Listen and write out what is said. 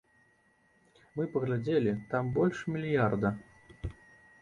Мы паглядзелі, там больш мільярда.